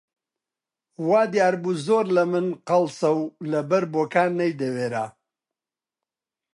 وا دیار بوو زۆر لە من قەڵسە و لەبەر بۆکان نەیدەوێرا